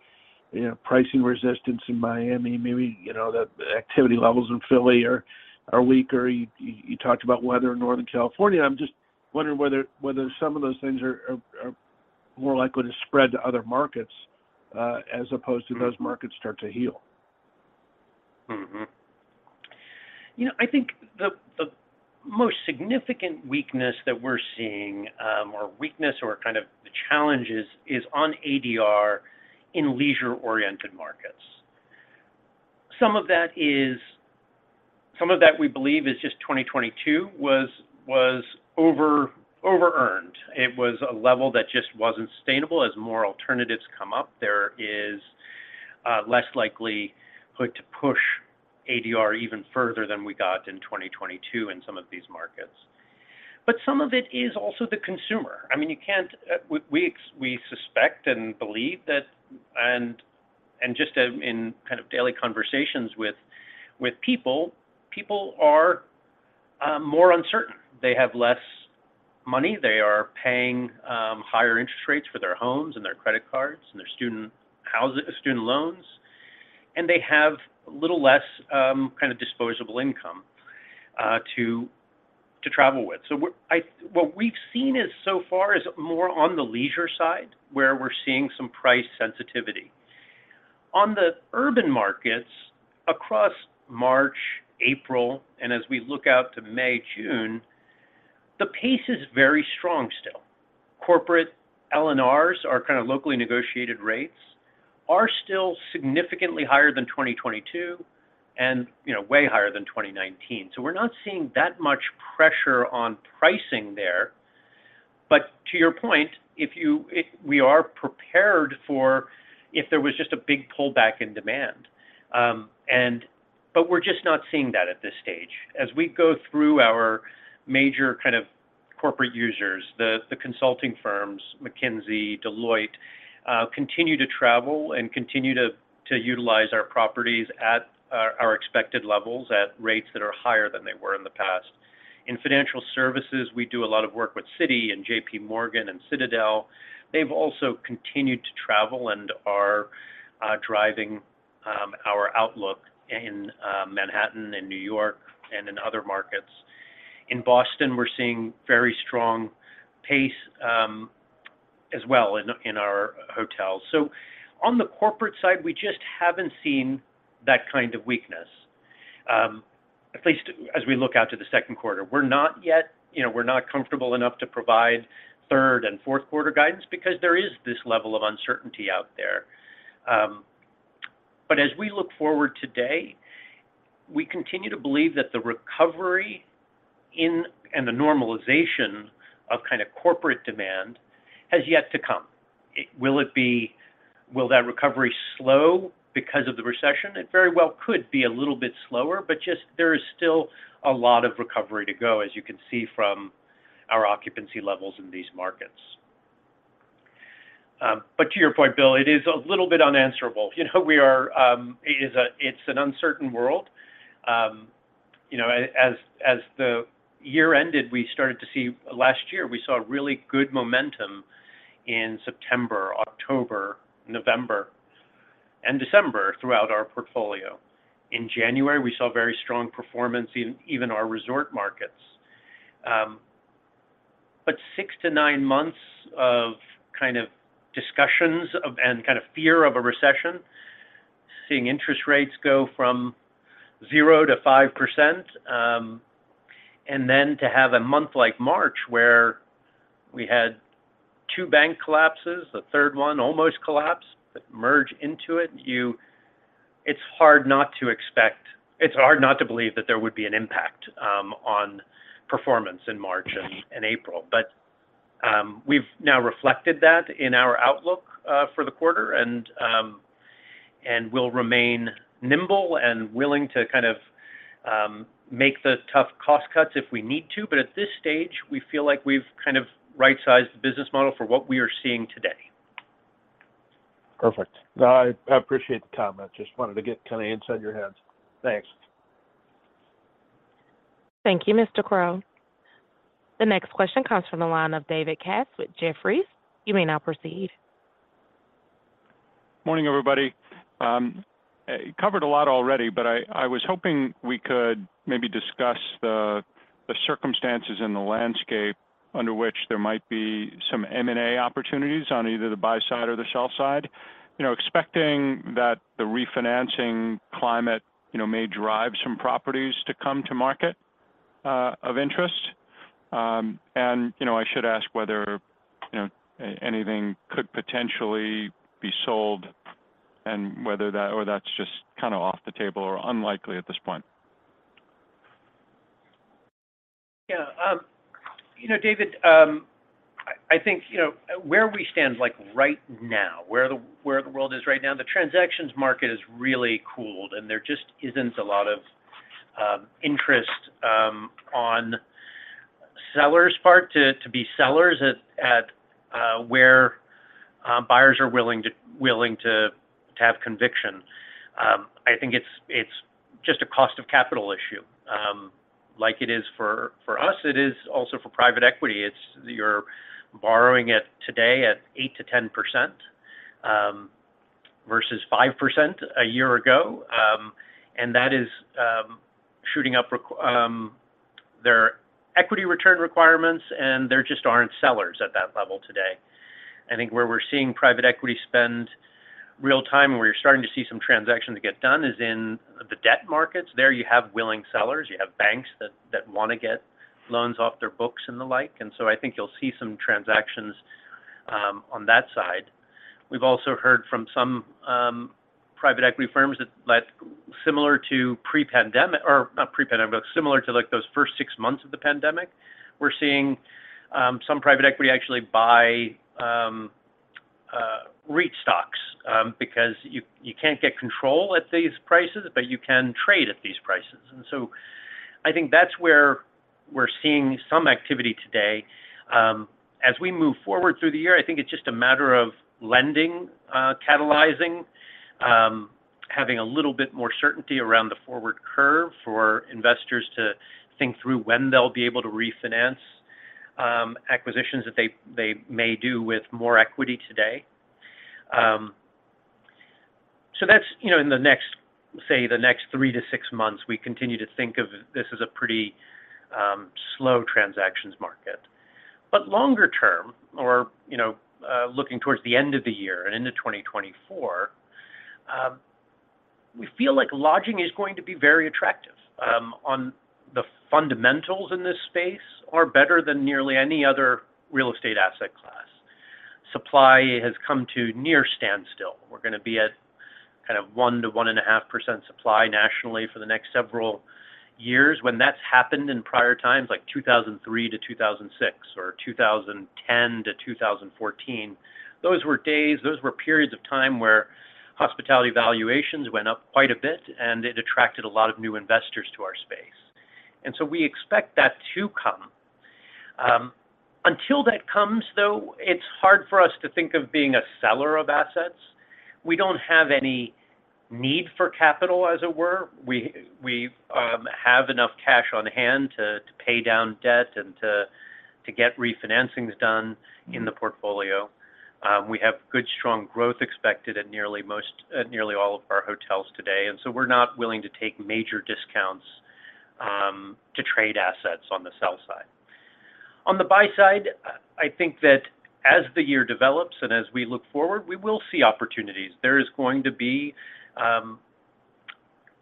you know, pricing resistance in Miami, maybe, you know, the activity levels in Philly are weaker. You talked about weather in Northern California. I'm just wondering whether some of those things are more likely to spread to other markets, as opposed to those markets start to heal. You know, I think the most significant weakness that we're seeing, or weakness or kind of the challenges is on ADR in leisure-oriented markets. Some of that we believe is just 2022 was over-earned. It was a level that just wasn't sustainable. As more alternatives come up, there is less likelihood to push ADR even further than we got in 2022 in some of these markets. Some of it is also the consumer. I mean, you can't. We suspect and believe that, and just in kind of daily conversations with people are more uncertain. They have less money. They are paying higher interest rates for their homes and their credit cards and their student loans, and they have a little less kind of disposable income to travel with. What we've seen is so far is more on the leisure side, where we're seeing some price sensitivity. On the urban markets across March, April, and as we look out to May, June, the pace is very strong still. Corporate LNRs, our kind of locally negotiated rates, are still significantly higher than 2022 and, you know, way higher than 2019. We're not seeing that much pressure on pricing there. To your point, if we are prepared for if there was just a big pullback in demand, but we're just not seeing that at this stage. As we go through our major kind of corporate users, the consulting firms, McKinsey, Deloitte, continue to travel and continue to utilize our properties at our expected levels at rates that are higher than they were in the past. In financial services, we do a lot of work with Citi and JPMorgan and Citadel. They've also continued to travel and are driving our outlook in Manhattan and New York and in other markets. In Boston, we're seeing very strong pace as well in our hotels. On the corporate side, we just haven't seen that kind of weakness, at least as we look out to the second quarter. We're not yet, you know, we're not comfortable enough to provide third and fourth quarter guidance because there is this level of uncertainty out there. As we look forward today, we continue to believe that the recovery in and the normalization of kind of corporate demand has yet to come. Will that recovery slow because of the recession? It very well could be a little bit slower, but just there is still a lot of recovery to go, as you can see from our occupancy levels in these markets. To your point, Bill, it is a little bit unanswerable. You know, it's an uncertain world. You know, as the year ended, Last year, we saw really good momentum in September, October, November, and December throughout our portfolio. In January, we saw very strong performance in even our resort markets. Six to nine months of kind of discussions of and kind of fear of a recession. Seeing interest rates go from 0% to 5%. Then to have a month like March where we had two bank collapses, the third one almost collapsed, but merge into it, It's hard not to believe that there would be an impact on performance in March and April. We've now reflected that in our outlook for the quarter, and we'll remain nimble and willing to kind of make the tough cost cuts if we need to. At this stage, we feel like we've kind of right-sized the business model for what we are seeing today. I appreciate the comment. Just wanted to get kind of inside your heads. Thanks. Thank you, Mr. Crow. The next question comes from the line of David Katz with Jefferies. You may now proceed. Morning, everybody. You covered a lot already, but I was hoping we could maybe discuss the circumstances and the landscape under which there might be some M&A opportunities on either the buy side or the sell side. You know, expecting that the refinancing climate, you know, may drive some properties to come to market of interest. I should ask whether, you know, anything could potentially be sold and whether that's just kind of off the table or unlikely at this point? Yeah. You know, David, I think, you know, where we stand, like, right now, where the world is right now, the transactions market has really cooled. There just isn't a lot of interest on sellers' part to be sellers at where buyers are willing to have conviction. I think it's just a cost of capital issue. like it is for us, it is also for private equity. It's you're borrowing it today at 8%-10% versus 5% a year ago. That is shooting up their equity return requirements, and there just aren't sellers at that level today. I think where we're seeing private equity spend real time and where you're starting to see some transactions get done is in the debt markets. There you have willing sellers, you have banks that wanna get loans off their books and the like. I think you'll see some transactions on that side. We've also heard from some private equity firms that similar to pre-pandemic or not pre-pandemic, but similar to, like, those first six months of the pandemic, we're seeing some private equity actually buy REIT stocks because you can't get control at these prices, but you can trade at these prices. I think that's where we're seeing some activity today. As we move forward through the year, I think it's just a matter of lending, catalyzing, having a little bit more certainty around the forward curve for investors to think through when they'll be able to refinance acquisitions that they may do with more equity today. That's, you know, in the next, say, the next three to six months, we continue to think of this as a pretty slow transactions market. Longer term, or, you know, looking towards the end of the year and into 2024, we feel like lodging is going to be very attractive. On the fundamentals in this space are better than nearly any other real estate asset class. Supply has come to near standstill. We're gonna be at kind of 1%-1.5% supply nationally for the next several years. When that's happened in prior times, like 2003-2006 or 2010-2014, those were days, those were periods of time where hospitality valuations went up quite a bit, and it attracted a lot of new investors to our space. We expect that to come. Until that comes, though, it's hard for us to think of being a seller of assets. We don't have any need for capital, as it were. We have enough cash on hand to pay down debt and to get refinancings done in the portfolio. We have good, strong growth expected at nearly all of our hotels today. We're not willing to take major discounts, to trade assets on the sell side. On the buy side, I think that as the year develops and as we look forward, we will see opportunities. There is going to be.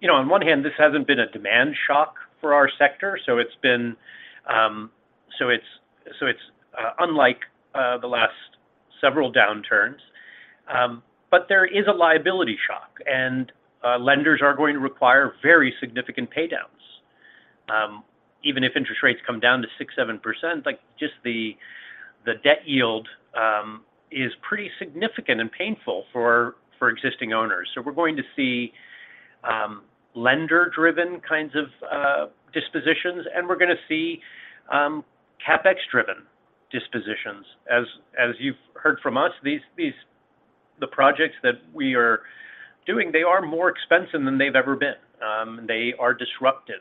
You know, on one hand, this hasn't been a demand shock for our sector, so it's been. So it's unlike the last several downturns. There is a liability shock, and lenders are going to require very significant paydowns. Even if interest rates come down to 6%, 7%, just the debt yield is pretty significant and painful for existing owners. We're going to see lender-driven kinds of dispositions, and we're going to see CapEx-driven dispositions. As you've heard from us, the projects that we are doing, they are more expensive than they've ever been. They are disruptive.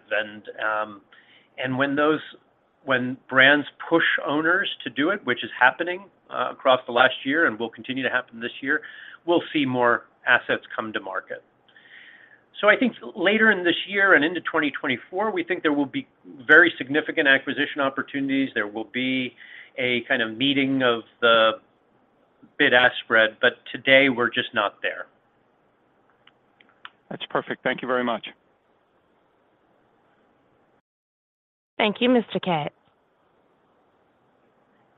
When brands push owners to do it, which is happening across the last year and will continue to happen this year, we'll see more assets come to market. I think later in this year and into 2024, we think there will be very significant acquisition opportunities. There will be a kind of meeting of the bid-ask spread, but today we're just not there. That's perfect. Thank you very much. Thank you, Mr. Katz.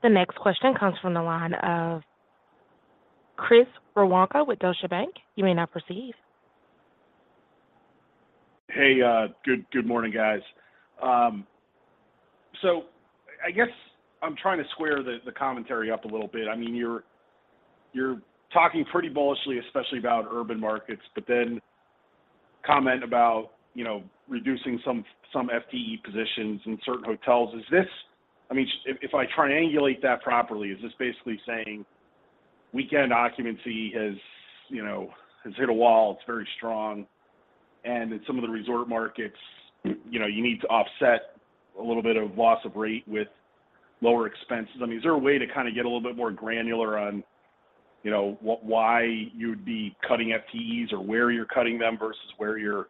The next question comes from the line of Chris Woronka with Deutsche Bank. You may now proceed. Hey, good morning, guys. I guess I'm trying to square the commentary up a little bit. I mean, you're talking pretty bullishly, especially about urban markets, but then comment about, you know, reducing some FTE positions in certain hotels. I mean, if I triangulate that properly, is this basically saying weekend occupancy has, you know, hit a wall, it's very strong, and in some of the resort markets, you know, you need to offset a little bit of loss of rate with lower expenses? I mean, is there a way to kind of get a little bit more granular on, you know, why you'd be cutting FTEs or where you're cutting them versus where you're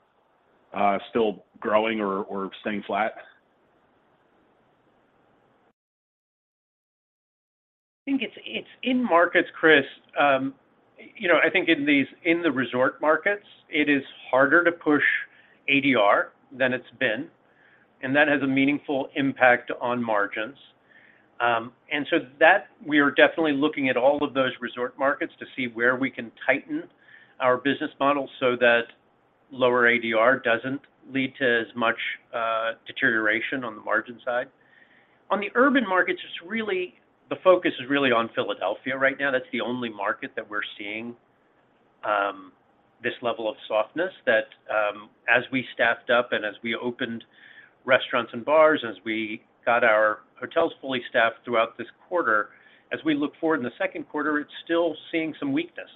still growing or staying flat? I think it's in markets, Chris. You know, I think in the resort markets, it is harder to push ADR than it's been, and that has a meaningful impact on margins. That we are definitely looking at all of those resort markets to see where we can tighten our business model so that lower ADR doesn't lead to as much deterioration on the margin side. On the urban markets, the focus is really on Philadelphia right now. That's the only market that we're seeing, this level of softness that, as we staffed up and as we opened restaurants and bars, as we got our hotels fully staffed throughout this quarter, as we look forward in the second quarter, it's still seeing some weakness.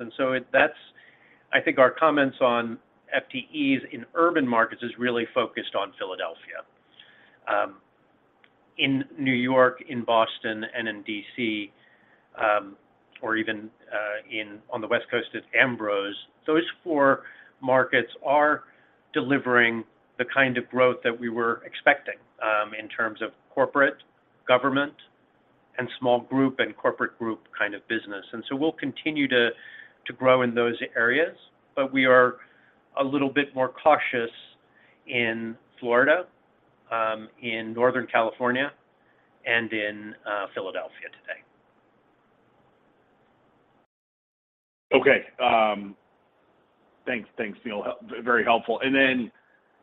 I think our comments on FTEs in urban markets is really focused on Philadelphia. In New York, in Boston, and in D.C., or even on the West Coast at Ambrose, those four markets are delivering the kind of growth that we were expecting in terms of corporate, government, and small group, and corporate group kind of business. We'll continue to grow in those areas, but we are a little bit more cautious in Florida, in Northern California, and in Philadelphia today. Okay. Thanks. Thanks, Neil. very helpful. Then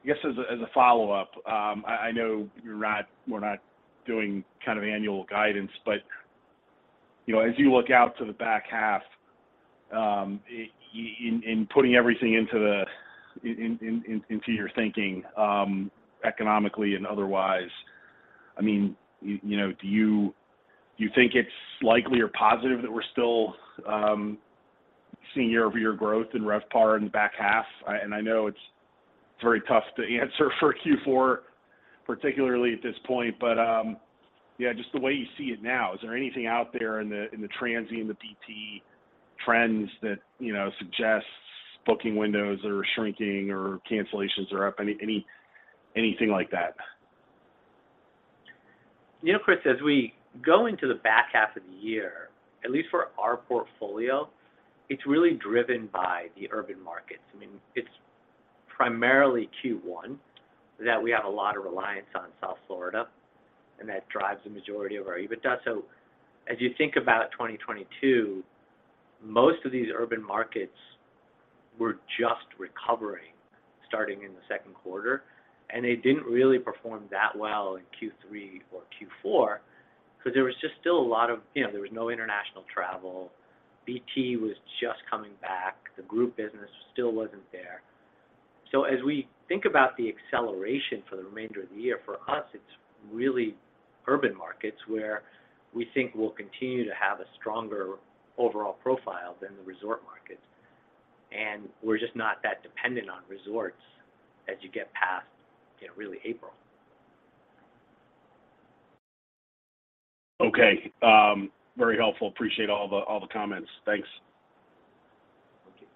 I guess as a follow-up, I know we're not doing kind of annual guidance, but, you know, as you look out to the back half, into your thinking, economically and otherwise, I mean, you know, do you, do you think it's likely or positive that we're still seeing year-over-year growth in RevPAR in the back half? I know it's very tough to answer for Q4, particularly at this point. Yeah, just the way you see it now, is there anything out there in the transient, the BT trends that, you know, suggests booking windows are shrinking or cancellations are up? Anything like that? You know, Chris, as we go into the back half of the year, at least for our portfolio, it's really driven by the urban markets. I mean, it's primarily Q1 that we have a lot of reliance on South Florida, and that drives the majority of our EBITDA. As you think about 2022, most of these urban markets were just recovering starting in the second quarter, and they didn't really perform that well in Q3 or Q4 because there was just still a lot of, you know, there was no international travel. BT was just coming back. The group business still wasn't there. As we think about the acceleration for the remainder of the year, for us, it's really urban markets where we think we'll continue to have a stronger overall profile than the resort markets. We're just not that dependent on resorts as you get past, you know, really April. Okay. Very helpful. Appreciate all the comments. Thanks. Thank you.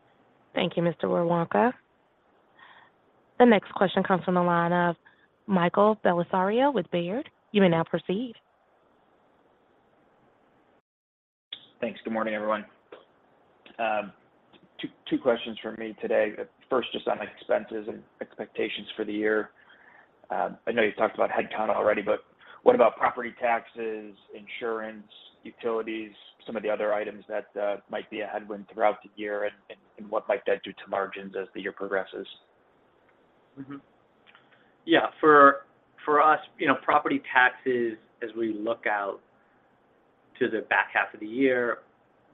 Thank you, Mr. Woronka. The next question comes from the line of Michael Bellisario with Baird. You may now proceed. Thanks. Good morning, everyone. Two questions from me today. The first just on expenses and expectations for the year. I know you talked about headcount already, but what about property taxes, insurance, utilities, some of the other items that might be a headwind throughout the year, and what might that do to margins as the year progresses? Yeah. For us, you know, property taxes, as we look out to the back half of the year,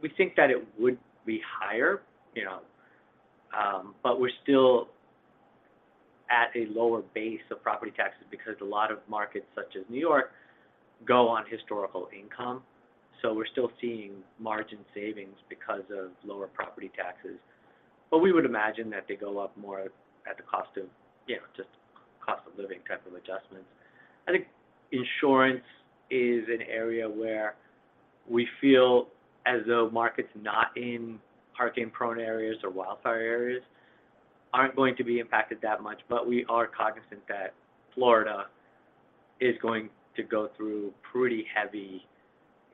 we think that it would be higher, you know, but we're still at a lower base of property taxes because a lot of markets such as New York go on historical income. We're still seeing margin savings because of lower property taxes. We would imagine that they go up more at the cost of, you know, just cost of living type of adjustments. I think insurance is an area where we feel as though markets not in hurricane-prone areas or wildfire areas aren't going to be impacted that much, but we are cognizant that Florida is going to go through pretty heavy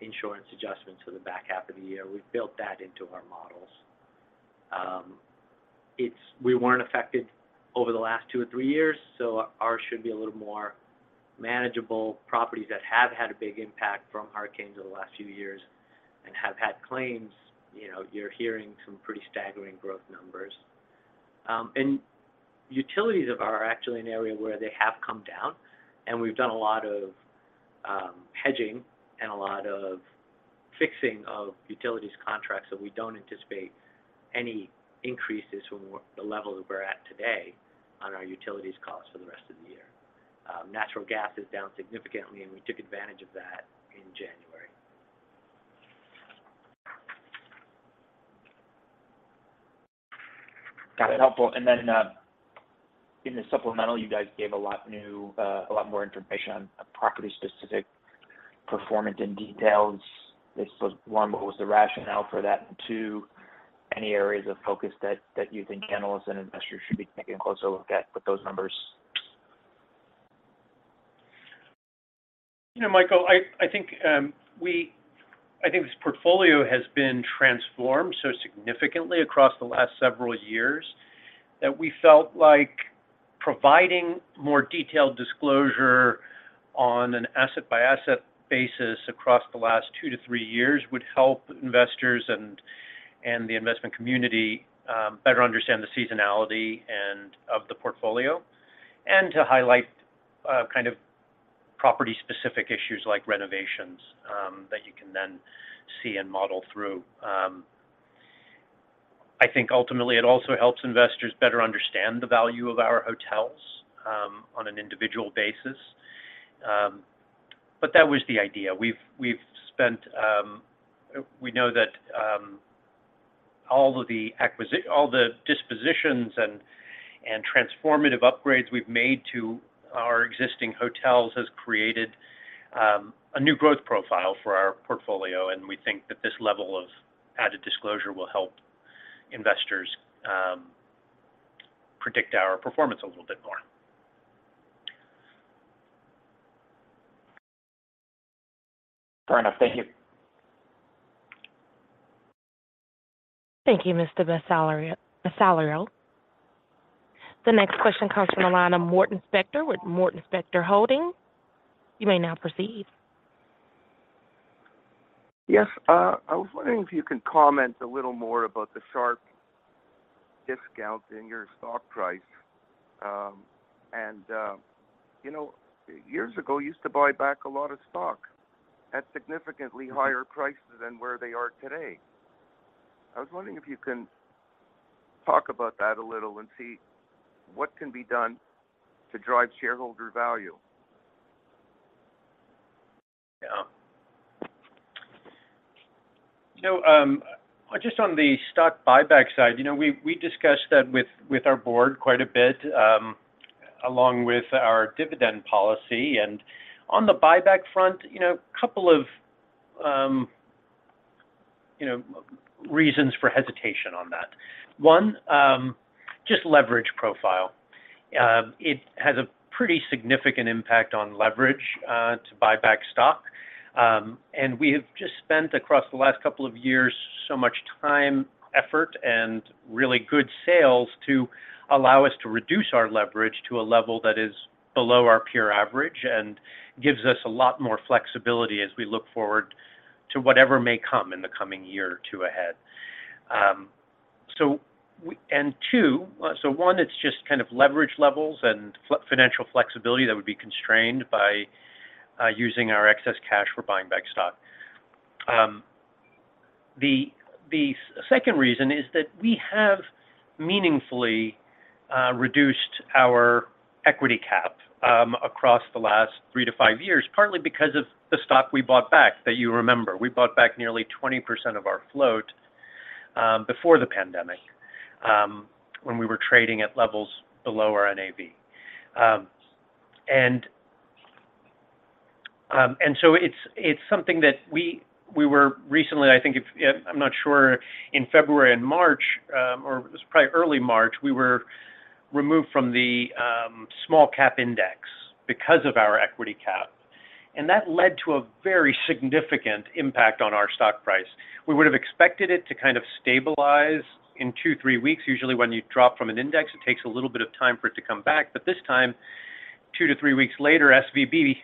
insurance adjustments for the back half of the year. We've built that into our models. We weren't affected over the last two or three years, so ours should be a little more manageable. Properties that have had a big impact from hurricanes over the last few years and have had claims, you know, you're hearing some pretty staggering growth numbers. Utilities are actually an area where they have come down, and we've done a lot of hedging and a lot of fixing of utilities contracts, so we don't anticipate any increases from the level that we're at today on our utilities costs for the rest of the year. Natural gas is down significantly, and we took advantage of that in January. Got it. Helpful. Then, in the supplemental, you guys gave a lot more information on property-specific performance and details. I guess just, one, what was the rationale for that? Two, any areas of focus that you think analysts and investors should be taking a closer look at with those numbers? You know, Michael, I think this portfolio has been transformed so significantly across the last several years that we felt like providing more detailed disclosure on an asset-by-asset basis across the last 2 to 3 years would help investors and the investment community better understand the seasonality of the portfolio and to highlight kind of property-specific issues like renovations that you can then see and model through. I think ultimately it also helps investors better understand the value of our hotels on an individual basis. That was the idea. We've spent We know that, all the dispositions and transformative upgrades we've made to our existing hotels has created a new growth profile for our portfolio. We think that this level of added disclosure will help investors predict our performance a little bit more. Fair enough. Thank you. Thank you, Mr. Bellisario. The next question comes from the line of Morton Spector with Morton Spector Holdings. You may now proceed. Yes. I was wondering if you can comment a little more about the sharp discount in your stock price. You know, years ago you used to buy back a lot of stock at significantly higher prices than where they are today. I was wondering if you can talk about that a little and see what can be done to drive shareholder value. You know, just on the stock buyback side, you know, we discussed that with our board quite a bit, along with our dividend policy. On the buyback front, you know, a couple of, you know, reasons for hesitation on that. One, just leverage profile. It has a pretty significant impact on leverage to buy back stock. We have just spent across the last couple of years, so much time, effort, and really good sales to allow us to reduce our leverage to a level that is below our peer average and gives us a lot more flexibility as we look forward to whatever may come in the coming year or 2 ahead. One, it's just kind of leverage levels and financial flexibility that would be constrained by using our excess cash for buying back stock. The second reason is that we have meaningfully reduced our equity cap across the last 3-5 years, partly because of the stock we bought back, that you remember. We bought back nearly 20% of our float before the pandemic when we were trading at levels below our NAV. And so it's something that we were recently, I think if... I'm not sure, in February and March, or it was probably early March, we were removed from the small cap index because of our equity cap, and that led to a very significant impact on our stock price. We would have expected it to kind of stabilize in two, three weeks. Usually, when you drop from an index, it takes a little bit of time for it to come back, this time, 2 to 3 weeks later, SVB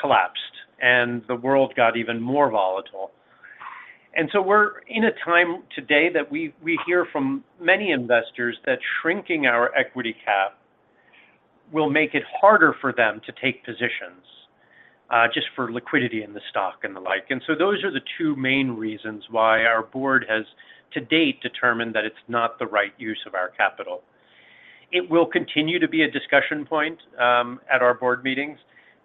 collapsed, and the world got even more volatile. We're in a time today that we hear from many investors that shrinking our equity cap will make it harder for them to take positions, just for liquidity in the stock and the like. Those are the 2 main reasons why our board has to date determined that it's not the right use of our capital. It will continue to be a discussion point at our board meetings,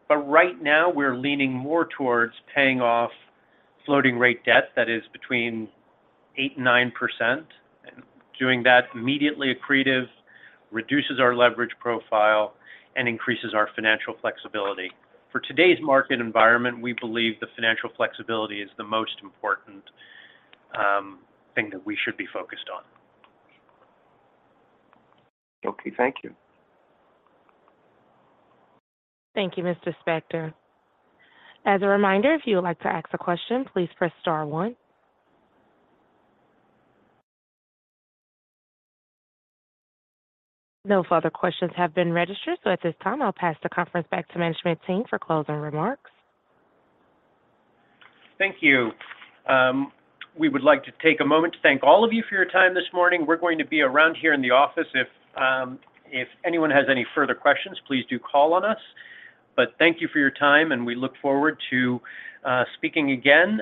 but right now we're leaning more towards paying off floating rate debt that is between 8% and 9%. Doing that immediately accretive, reduces our leverage profile, and increases our financial flexibility. For today's market environment, we believe the financial flexibility is the most important thing that we should be focused on. Okay. Thank you. Thank you, Mr. Spector. As a reminder, if you would like to ask a question, please press star one. No further questions have been registered, so at this time, I'll pass the conference back to management team for closing remarks. Thank you. We would like to take a moment to thank all of you for your time this morning. We're going to be around here in the office. If anyone has any further questions, please do call on us. Thank you for your time, and we look forward to speaking again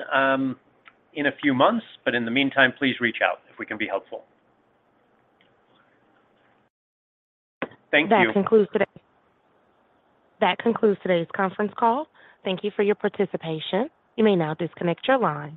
in a few months. In the meantime, please reach out if we can be helpful. Thank you. That concludes today's conference call. Thank you for your participation. You may now disconnect your line.